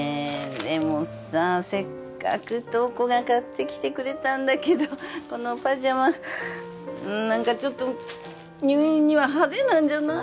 でもさせっかく瞳子が買ってきてくれたんだけどこのパジャマなんかちょっと入院にはハデなんじゃない？